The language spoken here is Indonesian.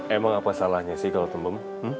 emang apa salahnya sih kalau temem